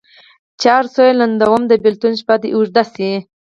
چي هر څو یې لنډومه د بېلتون شپه دي اوږده سي